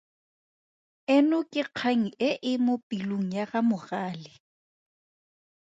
Eno ke kgang e e mo pelong ya ga Mogale.